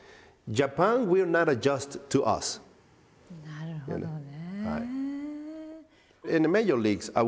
なるほどね。